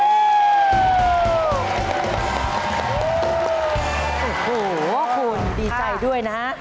โอ้โหคุณดีใจด้วยนะฮะ